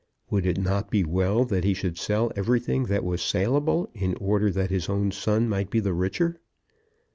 Would it not be well that he should sell everything that was saleable in order that his own son might be the richer?